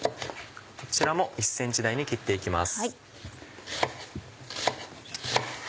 こちらも１ｃｍ大に切って行きます。